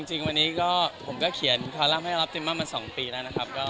จริงวันนี้ก็ผมก็เขียนคอลัมป์ให้รับติมมา๒ปีแล้วนะครับ